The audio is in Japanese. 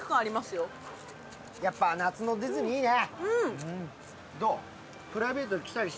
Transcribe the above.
やっぱ夏のディズニー、いいね。